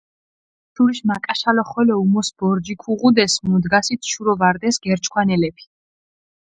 შურიშ მაკაშალო ხოლო უმოს ბორჯი ქუღუდეს, მუდგასით შურო ვარდეს გერჩქვანელეფი.